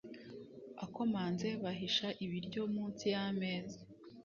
akomanze bahisha ibiryo munsi yameza